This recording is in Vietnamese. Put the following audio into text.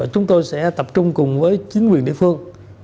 chúng tôi sẽ tập trung cùng với chính quyền địa phương